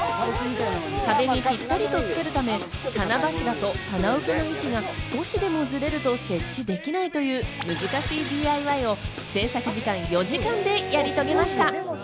壁にぴったりと作るため棚柱と棚受けの位置が少しでもズレると設置できないという難しいＤＩＹを制作時間４時間でやり遂げました。